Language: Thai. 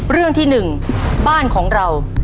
เรื่องที่๑บ้านของเรา